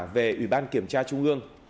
về ủy ban kiểm tra trung ương